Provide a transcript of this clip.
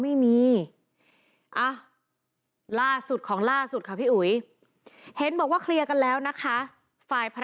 มันก็ต้องคุยกันตกลงกันใหม่